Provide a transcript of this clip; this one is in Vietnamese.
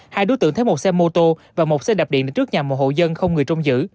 hai đối tượng thấy một xe mô tô và một xe đạp điện đến trước nhà một hộ dân không người trông giữ